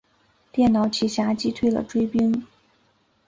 电脑奇侠击退了追兵。